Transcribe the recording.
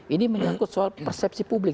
ini menyangkut soal persepsi publik